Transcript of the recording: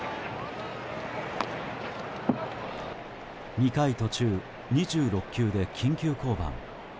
２回途中、２６球で緊急降板。